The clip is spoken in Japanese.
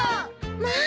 まあ！